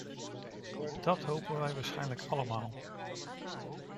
Dat hopen wij waarschijnlijk allemaal.